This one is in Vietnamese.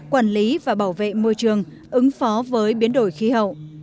quản lý và bảo vệ môi trường ứng phó với biến đổi khí hậu